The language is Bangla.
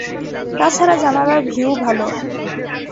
তা ছাড়া জানালার ভিউ ভাল।